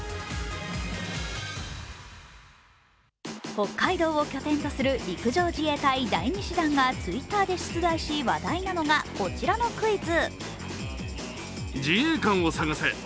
北海道を拠点とする陸上自衛隊第２師団がＴｗｉｔｔｅｒで出題し話題なのがこちらのクイズ。